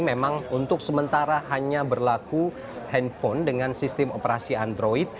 memang untuk sementara hanya berlaku handphone dengan sistem operasi android